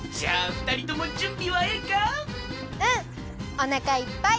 おなかいっぱい！